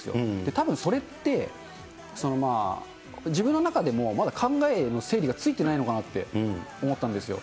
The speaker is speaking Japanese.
たぶんそれって、まあ自分の中でもまだ考えの整理がついてないのかなって思ったんですよ。